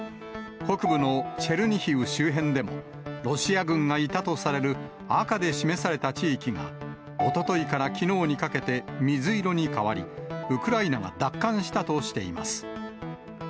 北部のチェルニヒウ周辺でも、ロシア軍がいたとされる赤で示された地域が、おとといからきのうにかけて、水色に変わり、ウクライナが奪還したとしています。